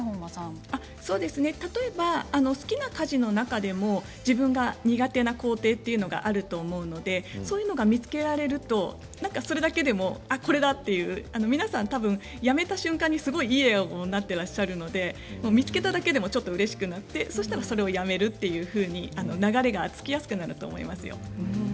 例えば好きな家事の中でも自分が苦手な工程というのがあると思いますのでそういうものが見つけられるとそれだけでも、これだ！というたぶん皆さん、やめた瞬間にいい笑顔になっていらっしゃるので見つけただけでもうれしくなってそれをやめるというふうに流れがつきやすくなると思います。